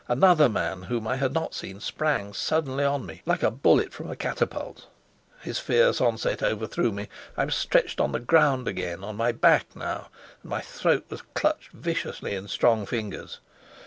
Another man, whom I had not seen, sprang suddenly on me like a bullet from a catapult. His fierce onset overthrew me; I was stretched on the ground again, on my back now, and my throat was clutched viciously in strong fingers.